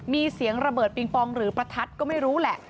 มีเสียงระเบิดปิงปองหรือประทัดก็ไม่รู้แหละ